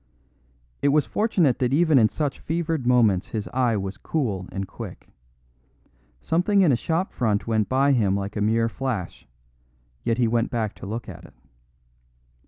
It was fortunate that even in such fevered moments his eye was cool and quick. Something in a shop front went by him like a mere flash; yet he went back to look at it.